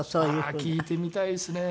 ああ聞いてみたいですね。